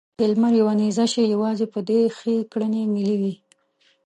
چې لمر يوه نېزه شي؛ يوازې به دې ښې کړنې ملې وي.